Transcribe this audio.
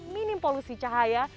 minim polusi cahaya